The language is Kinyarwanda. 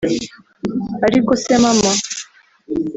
Ariko se mama